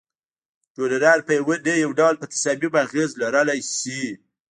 ډونران په یو نه یو ډول په تصامیمو اغیز لرلای شي.